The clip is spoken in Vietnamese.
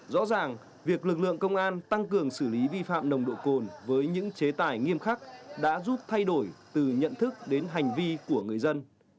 rõ ràng việc lực lượng công an tăng cường xử lý vi phạm nồng độ cồn với những chế tài nghiêm khắc đã giúp thay đổi từ nhận thức đến hành vi của người dân